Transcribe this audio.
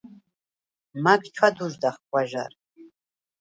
მა̈გ ჩვა̈დუ̄ჟდახ ღვაჟა̈რ.